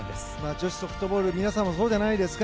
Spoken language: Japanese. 女子ソフトボール皆さんもそうじゃないですか。